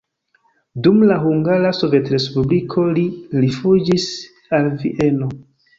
Dum la Hungara Sovetrespubliko li rifuĝis al Vieno.